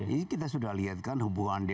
ini kita sudah lihat kan hubungan dnlk